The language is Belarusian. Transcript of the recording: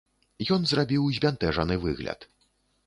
Ён зрабіў збянтэжаны выгляд.